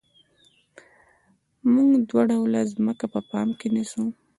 موږ دوه ډوله ځمکه په پام کې نیسو